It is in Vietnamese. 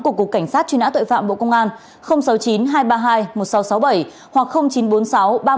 của cục cảnh sát truy nã tội phạm bộ công an